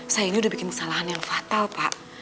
saya ini udah bikin kesalahan yang fatal pak